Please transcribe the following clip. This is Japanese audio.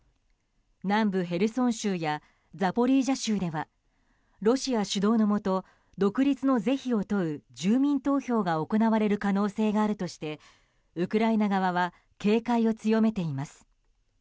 南部ヘルソン州やザポリージャ州ではロシア主導のもと独立の是非を問う住民投票が行われる可能性があるとしてウクライナ側は警戒を強めています。